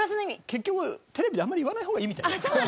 結局テレビであんまり言わない方がいいみたい。